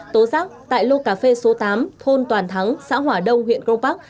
tố giác tại lô cà phê số tám thôn toàn thắng xã hòa đông huyện cron park